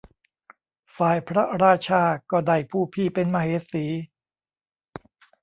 ฝ่ายพระราชาก็ได้ผู้พี่เป็นมเหสี